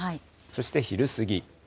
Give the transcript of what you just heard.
そして昼過ぎ。